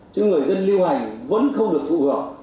chứ người dân lưu hành vẫn không được thu hưởng